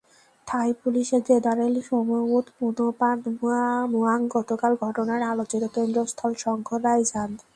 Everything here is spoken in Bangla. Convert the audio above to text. থাই পুলিশের জেনারেল সোময়ুত পুনপানমুয়াং গতকাল ঘটনার আলোচিত কেন্দ্রস্থল শংখলায় যান।